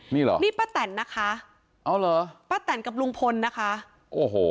นี่เหรอนี่ป้าแตนนะคะเอาเหรอป้าแตนกับลุงพลนะคะโอ้โห